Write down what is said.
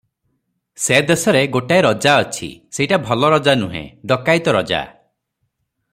ସେ ଦେଶରେ ଗୋଟାଏ ରଜା ଅଛି, ସେଇଟା ଭଲ ରଜା ନୁହେ, ଡକାଇତ ରଜା ।